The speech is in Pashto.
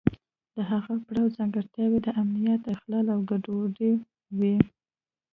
د هغه پړاو ځانګړتیاوې د امنیت اخلال او ګډوډي وه.